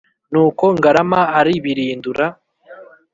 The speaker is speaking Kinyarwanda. Nuko Ngarama aribirindura,